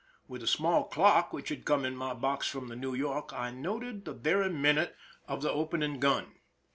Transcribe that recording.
With a small clock which had come in my box from the New York I noted the very minute of the open ing gun.